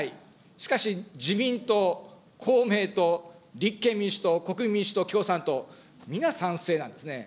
しかし、自民党、公明党、立憲民主党、国民民主党、共産党、皆、賛成なんですね。